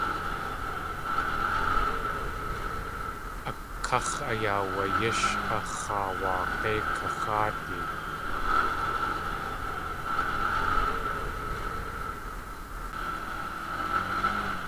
A káx̲ ayaawayísh a x̲aawag̲éi kaxáadi.